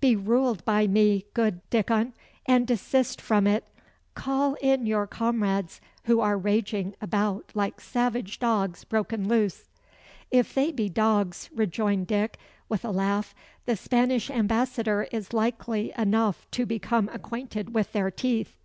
Be ruled by me, good Dickon, and desist from it. Call in your comrades, who are raging about like savage dogs broken loose." "If they be dogs," rejoined Dick, with a laugh, "the Spanish ambassador is likely enough to become acquainted with their teeth.